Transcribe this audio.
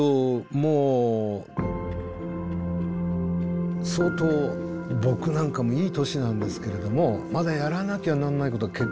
もう相当僕なんかもいい年なんですけれどもまだやらなきゃならないことが結構あります。